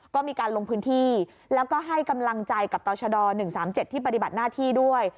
ก็มีการลงพื้นที่แล้วก็ให้กำลังใจกับต่อชด๑๓๗ที่ปฏิบัติหน้าที่ด้วย